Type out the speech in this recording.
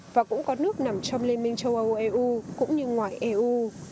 và cũng có nước nằm trong liên minh châu âu eu cũng như ngoài eu